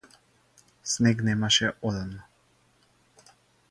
Снег немаше одамна.